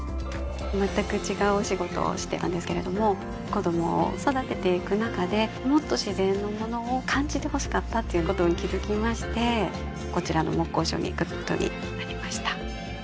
まったく違うお仕事をしてたんですけれども子どもを育てていく中でもっと自然のものを感じてほしかったということに気づきましてこちらの木工所に来ることになりました